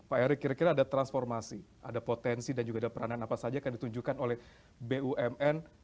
pak erick kira kira ada transformasi ada potensi dan juga ada peranan apa saja yang ditunjukkan oleh bumn